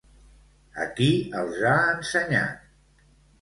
A qui els ha ensenyat?